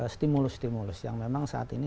stimulus stimulus yang memang saat ini